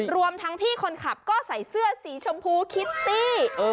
รวมทั้งพี่คนขับก็ใส่เสื้อสีชมพูคิตตี้